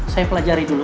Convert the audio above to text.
saya pelajari dulu